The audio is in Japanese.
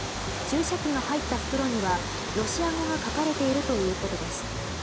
注射器が入った袋にはロシア語が書かれているということです。